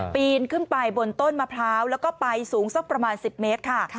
ปีนขึ้นไปบนต้นมะพร้าวแล้วก็ไปสูงสักประมาณ๑๐เมตรค่ะ